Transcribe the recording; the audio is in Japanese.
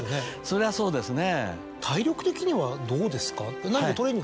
それはそうですね。